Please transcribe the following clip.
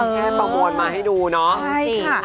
แค่ประโมนมาให้ดูเนาะใช่ค่ะ